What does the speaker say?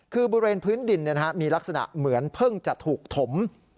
คือบริเวณพื้นดินมีลักษณะเหมือนเพิ่งจะถูกถม